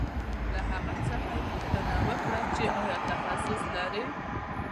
له هغه څخه یې پوښتنه وکړه چې آیا تخصص لرې